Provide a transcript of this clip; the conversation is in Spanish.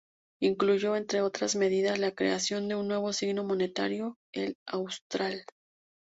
Incluyó, entre otras medidas, la creación de un nuevo signo monetario, el austral.